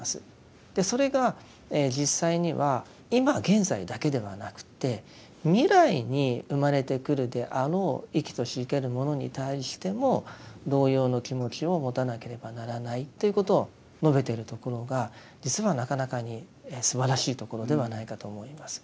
それが実際には今現在だけではなくて未来に生まれてくるであろう生きとし生けるものに対しても同様の気持ちを持たなければならないということを述べてるところが実はなかなかにすばらしいところではないかと思います。